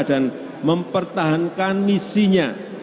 dan mempertahankan misinya